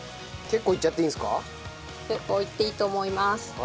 結構いっていいと思います。